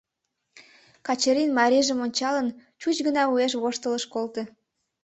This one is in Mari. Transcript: Качырин, марийжым ончалын, чуч гына уэш воштыл ыш колто.